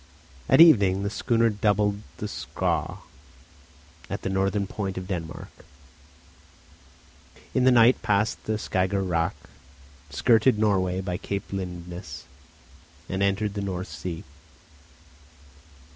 At evening the schooner doubled the Skaw at the northern point of Denmark, in the night passed the Skager Rack, skirted Norway by Cape Lindness, and entered the North Sea.